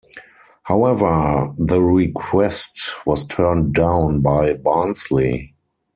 However, the request was turned down by Barnsley.